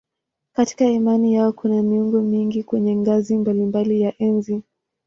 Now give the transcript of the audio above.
Katika imani yao kuna miungu mingi kwenye ngazi mbalimbali ya enzi.